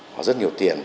họ rất nhiều tiền